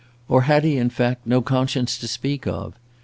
Or had he, in fact, no conscience to speak of?